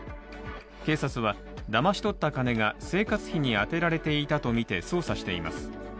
警察はだまし取った金が生活費に充てられていたとみて捜査しています。